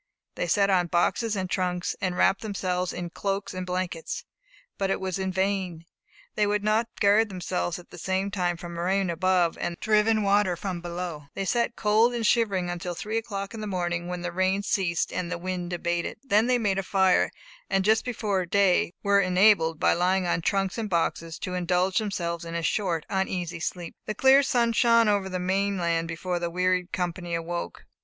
They sat on boxes and trunks, and wrapped themselves in cloaks and blankets; but it was in vain; they could not guard themselves at the same time from the rain above and the driven water from below. They sat cold and shivering until three o'clock in the morning, when the rain ceased and the wind abated. Then they made a fire; and just before day were enabled, by lying on trunks and boxes, to indulge themselves in a short uneasy sleep. The clear sun shone over the main land before the wearied company awoke.